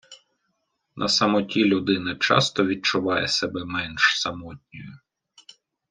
На самоті людина часто відчуває себе менш самотньою